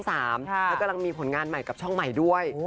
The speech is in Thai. แล้วกำลังมีผลงานใหม่กับช่องใหม่ด้วย